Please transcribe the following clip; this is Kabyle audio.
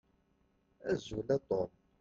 Azul a Tom.